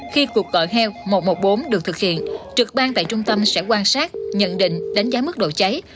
khi cuộc gọi heo một trăm một mươi bốn được thực hiện trực ban tại trung tâm sẽ quan sát nhận định đánh giá mức độ cháy